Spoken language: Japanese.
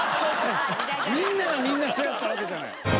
みんながみんなそうやったわけじゃない。